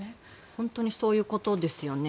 本当にそういうことですよね。